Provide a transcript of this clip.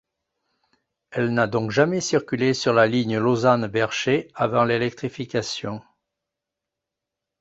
Elle n'a donc jamais circulé sur la ligne Lausanne – Bercher avant l'électrification.